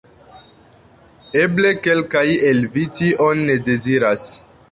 Eble, kelkaj el vi tion ne deziras?